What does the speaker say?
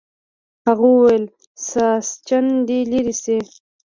هغه وویل ساسچن دې لرې شي.